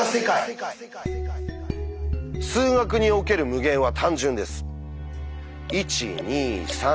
数学における「無限」は単純です。